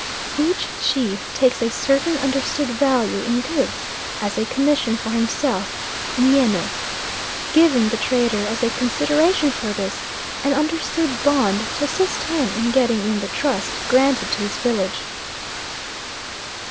Each chief takes a certain understood value in goods as a commission for himself nyeno giving the trader, as a consideration for this, an understood bond to assist him in getting in the trust granted to his village.